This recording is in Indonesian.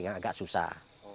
yang agak susah